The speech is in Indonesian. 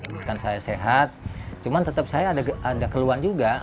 bukan saya sehat cuman tetap saya ada keluhan juga